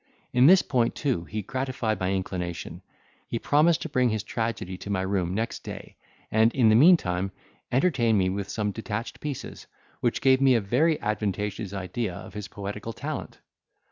In this point too he gratified my inclination; he promised to bring his tragedy to my room next day, and in the meantime, entertained me with some detached pieces, which gave me a very advantageous idea of his poetical talent.